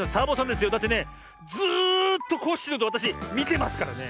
だってねずっとコッシーのことわたしみてますからね。